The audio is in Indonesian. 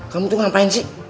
kamu tuh ngapain sih